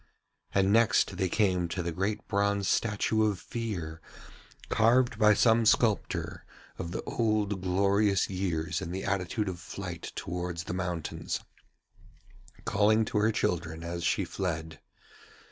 And next they came to the great bronze statue of Fear, carved by some sculptor of the old glorious years in the attitude of flight towards the mountains, calling to her children as she fled.